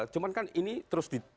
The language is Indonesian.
cuma kan ini terus di